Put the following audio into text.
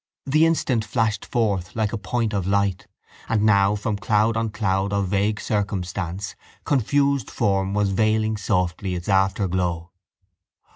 The instant flashed forth like a point of light and now from cloud on cloud of vague circumstance confused form was veiling softly its afterglow.